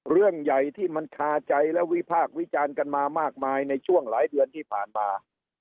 เรื่องใหญ่ที่มันคาใจและวิพากษ์วิจารณ์กันมามากมายในช่วงหลายเดือนที่ผ่านมา